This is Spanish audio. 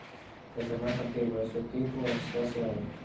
Es el más antiguo de su tipo en Suecia hoy.